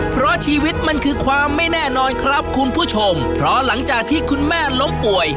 เพราะชีวิตมันคือความไม่แน่นอนครับคุณผู้ชมเพราะหลังจากที่คุณแม่ล้มป่วย